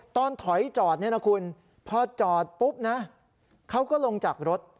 ตอนถอยจอดเนี่ยนะคุณพอจอดปุ๊บนะเขาก็ลงจากรถ